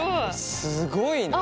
すごいな！